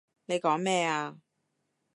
你講咩啊？